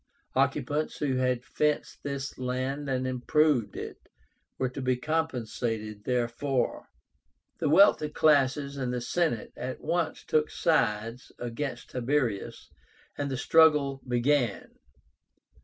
Occupants who had fenced this land and improved it were to be compensated therefor. The wealthy classes and the Senate at once took sides against Tiberius, and the struggle began.